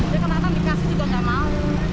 dia kadang kadang dikasih juga nggak mau